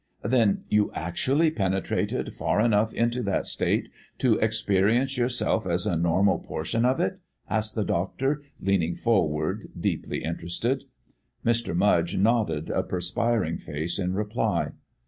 "Then you actually penetrated far enough into that state to experience yourself as a normal portion of it?" asked the doctor, leaning forward, deeply interested. Mr. Mudge nodded a perspiring face in reply.